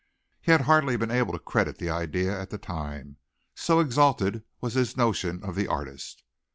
He had hardly been able to credit the idea at the time, so exalted was his notion of the artist.